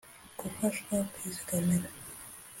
Gufashwa kwizigamira